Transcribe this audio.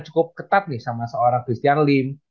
cukup ketat nih sama seorang christian lim